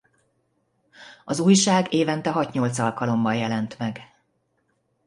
Az újság évente hat-nyolc alkalommal jelent meg.